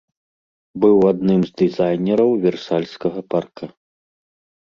Быў адным з дызайнераў версальскага парка.